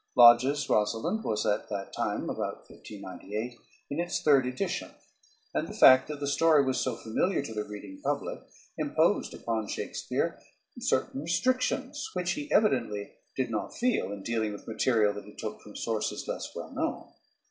Lodge's "Rosalynde" was at this time (about 1598) in its third edition, and the fact that the story was so familiar to the reading public imposed upon Shakespeare certain restrictions which he evidently did not feel in dealing with material that he took from sources less well known.